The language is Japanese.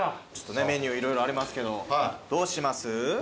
メニュー色々ありますけどどうします？